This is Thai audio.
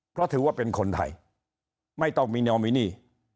เพราะถือว่าเป็นคนไทยไม่ต้องมีนอมินี